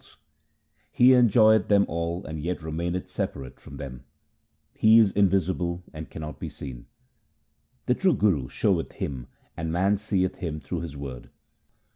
HYMNS OF GURU AMAR DAS 219 He enjoyeth thern all and yet remaineth separate from them : He is invisible and cannot be seen. The true Guru showeth Him, and man seeth Him through his word.